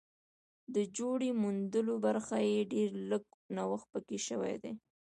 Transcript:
د جوړې موندلو برخه کې ډېر لږ نوښت پکې شوی دی